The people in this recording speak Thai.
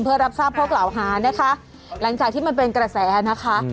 เพื่อรับทราบข้อกล่าวหานะคะหลังจากที่มันเป็นกระแสนะคะ